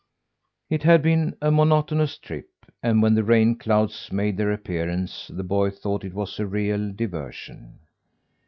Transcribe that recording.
It had been a monotonous trip, and when the rain clouds made their appearance the boy thought it was a real diversion.